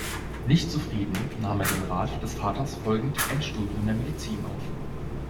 Nicht zufrieden, nahm er dem Rat des Vaters folgend ein Studium der Medizin auf.